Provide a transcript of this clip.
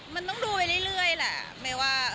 มันต้องดูไปเรื่อยแหละ